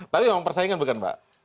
tapi memang persaingan bukan mbak